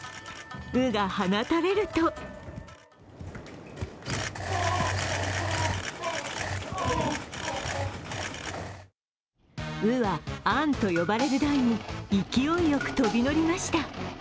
鵜が放たれると鵜は案と呼ばれる台に勢いよく飛び乗りました。